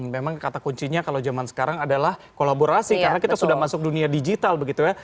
memang kata kuncinya kalau zaman sekarang adalah kolaborasi karena kita sudah masuk dunia digital begitu ya